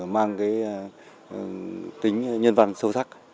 mang cái tính nhân văn sâu sắc